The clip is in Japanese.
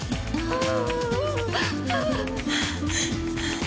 ああ！